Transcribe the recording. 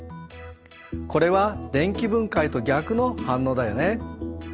これは電気分解と逆の反応だよね。